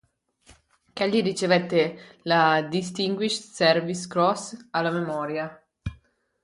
Kelly ricevette la Distinguished Service Cross alla memoria.